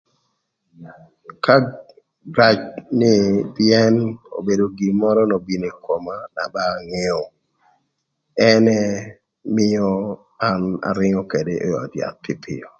Kan rac nï pïën obedo gin mörö n'obino ï koma na ba angeo ënë mïö an arïngö ködë ï öd yath pïöpïö.